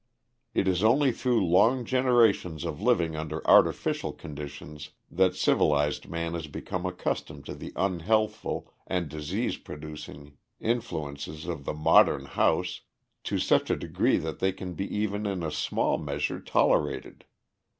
It is only through long generations of living under artificial conditions that civilized man has become accustomed to the unhealthful and disease producing influences of the modern house to such a degree that they can be even in a small measure tolerated.